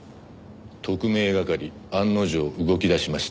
「特命係案の定動き出しました」